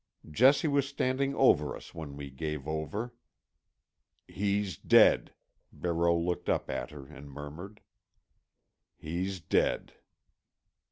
Jessie was standing over us when we gave over. "He's dead," Barreau looked up at her and murmured. "He's dead."